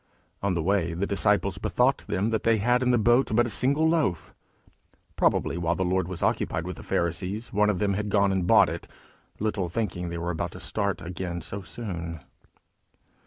On the way the disciples bethought them that they had in the boat but a single loaf: probably while the Lord was occupied with the Pharisees, one of them had gone and bought it, little thinking they were about to start again so soon.